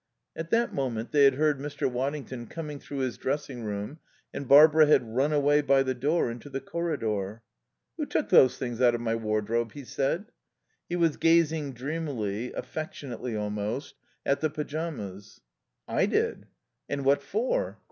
At that moment they had heard Mr. Waddington coming through his dressing room and Barbara had run away by the door into the corridor. "Who took those things out of my wardrobe?" he said. He was gazing, dreamily, affectionately almost, at the pyjamas. "I did." "And what for?"